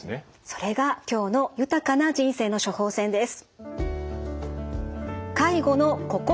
それが今日の「豊かな人生の処方せん」です。